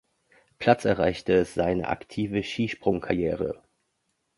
Platz erreichte, seine aktive Skisprungkarriere.